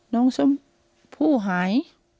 น้องชมพู่หาย